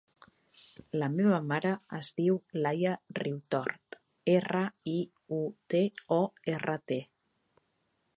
La meva mare es diu Laia Riutort: erra, i, u, te, o, erra, te.